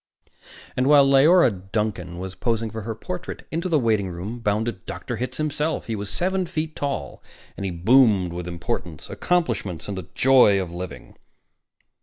And, while Leora Duncan was posing for her portrait, into the waitingroom bounded Dr. Hitz himself. He was seven feet tall, and he boomed with importance, accomplishments, and the joy of living.